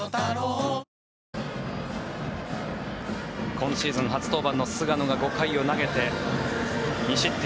今シーズン初登板の菅野が５回を投げて２失点。